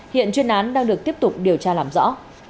hiện chuyên án đang được tiếp tục điều tra làm rõ